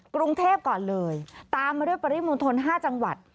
กรุงเทพก่อนเลยตามมาด้วยปริมณฑล๕จังหวัด